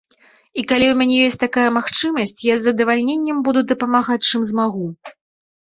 І калі ў мяне ёсць такая магчымасць, я з задавальненнем буду дапамагаць, чым змагу.